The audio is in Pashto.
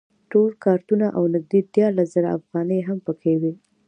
ټول کارتونه او نږدې دیارلس زره افغانۍ هم په کې وې.